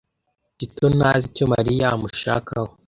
Tito ntazi icyo Mariya amushakaho.